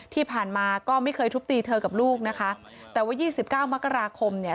ที่ผ่านมาก็ไม่เคยทุบตีเธอกับลูกนะคะแต่ว่ายี่สิบเก้ามกราคมเนี่ย